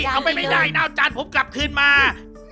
เอาไปไม่ได้นะเอาจานผมกลับขึ้นมา